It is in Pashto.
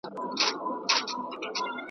بس همدا مو وروستی جنګ سو په بري به هوسیږو .